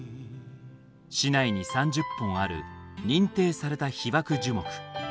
市内に３０本ある認定された被爆樹木。